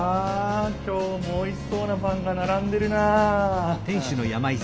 きょうもおいしそうなパンがならんでるなあ。